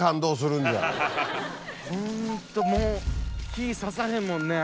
ホントもう日差さへんもんね。